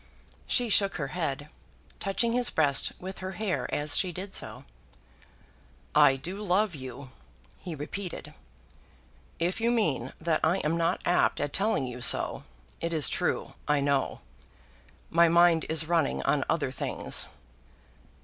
She shook her head, touching his breast with her hair as she did so. "I do love you," he repeated. "If you mean that I am not apt at telling you so, it is true, I know. My mind is running on other things."